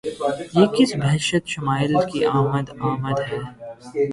یہ کس بہشت شمائل کی آمد آمد ہے!